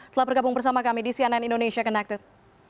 telah bergabung bersama kami di cnn indonesia connected